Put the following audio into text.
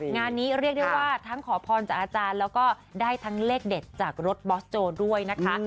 งานนี้เรียกได้ว่าทั้งขอพรจากอาจารย์แล้วก็ได้ทั้งเลขเด็ดจากรถบอสโจด้วยนะคะ